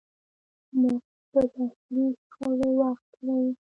موږ په ظاهري شخړو وخت تېروو.